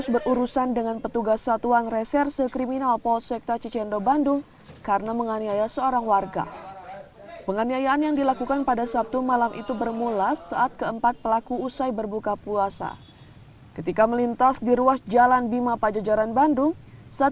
bersama informasi lainnya berikut kilas kriminal selengkapnya